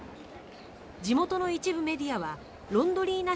地元の一部メディアはロンドリーナ